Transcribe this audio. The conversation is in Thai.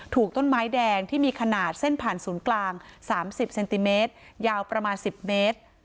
ถูกต้นไม้แดงที่มีขนาดเส้นผ่านศูนย์กลาง๓๐เซนติเมตรยาวประมาณ๑๐เมตร